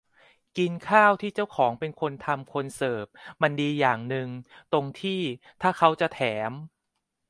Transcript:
กินข้าวร้านที่เจ้าของเป็นคนทำคนเสิร์ฟมันดีอย่างนึงตรงที่ถ้าเขาจะแถม